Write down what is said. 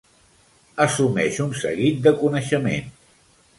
Assumeix un seguit de coneixements.